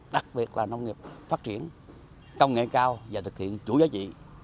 đặc biệt là nông nghiệp phát triển công nghệ cao và thực hiện chủ giá trị